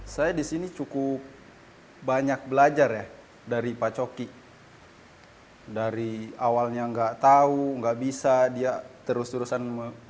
saya disini cukup banyak belajar ya dari pak coki dari awalnya nggak tahu nggak bisa dia terus terusan